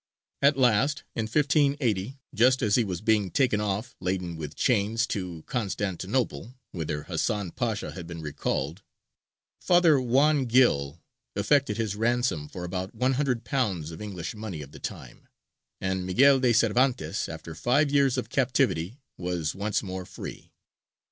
At last, in 1580, just as he was being taken off, laden with chains, to Constantinople, whither Hasan Pasha had been recalled, Father Juan Gil effected his ransom for about £100 of English money of the time, and Miguel de Cervantes, after five years of captivity, was once more free.